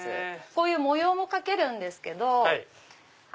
こういう模様も描けるんですけど。